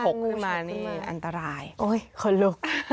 งูชกขึ้นมาอันตรายโอ๊ยคนลุก